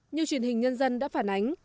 nhiều truyền hình nhân dân đã phản ánh